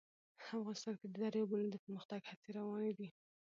افغانستان کې د دریابونه د پرمختګ هڅې روانې دي.